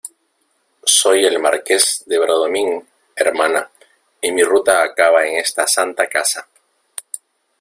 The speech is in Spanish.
soy el Marqués de Bradomín, hermana , y mi ruta acaba en esta santa casa.